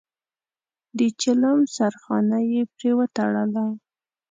د چيلم سرخانه يې پرې وتړله.